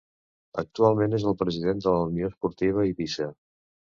Actualment és el president de la Unió Esportiva Eivissa.